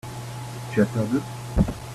Tu as peur d'eux ?